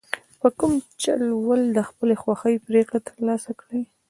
په کوم چل ول د خپلې خوښې پرېکړه ترلاسه کړي.